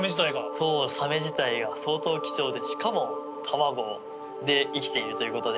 そうサメ自体が相当貴重でしかも卵で生きているということで。